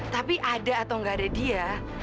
tapi ada atau nggak ada dia